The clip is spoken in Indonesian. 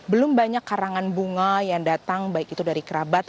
belum banyak karangan bunga yang datang baik itu dari kerabat